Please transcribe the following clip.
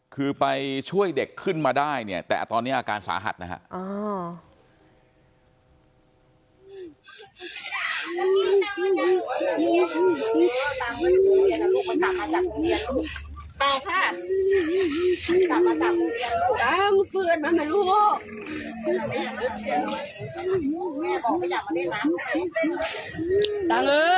คือไปช่วยเด็กขึ้นมาได้เนี่ยแต่ตอนนี้อาการสาหัสนะฮะ